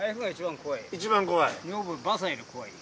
一番怖い？